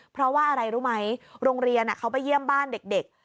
เพราะว่าอะไรรู้ไหมโรงเรียนเขาไปเยี่ยมบ้านเด็ก